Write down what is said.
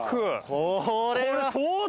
これは。